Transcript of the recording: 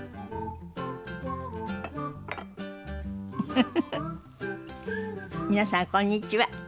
フフフフ皆さんこんにちは。